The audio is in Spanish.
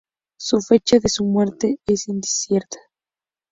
Su fecha de su muerte es incierta.